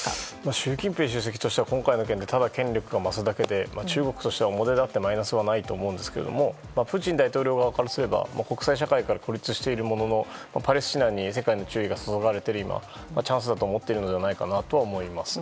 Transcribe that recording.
習近平主席としては今回の会談でただ権力が増すだけで中国としては表立ってマイナスはないと思うんですがプーチン大統領側からすれば国際社会から孤立しているもののパレスチナに世界の注意が注がれている今チャンスではないかと思っていると思いますね。